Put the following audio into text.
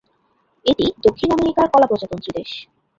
এটি দক্ষিণ আমেরিকার কলা প্রজাতন্ত্রী দেশ।